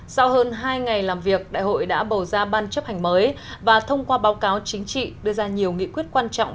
sau hơn hai ngày làm việc đại hội đã bầu ra ban chấp hành mới và thông qua báo cáo chính trị đưa ra nhiều nghị quyết quan trọng